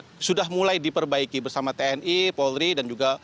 ini sudah mulai diperbaiki bersama tni polri dan juga